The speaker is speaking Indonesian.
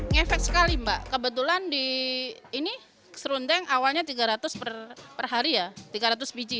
ngefek sekali mbak kebetulan di ini ke serundeng awalnya tiga ratus per hari ya tiga ratus biji